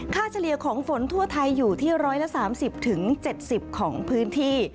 เฉลี่ยของฝนทั่วไทยอยู่ที่๑๓๐๗๐ของพื้นที่